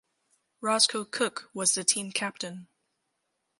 Roscoe Cook was the team captain.